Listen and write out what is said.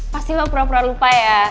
pasti lo pera pera lupa ya